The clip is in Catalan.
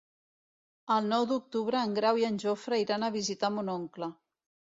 El nou d'octubre en Grau i en Jofre iran a visitar mon oncle.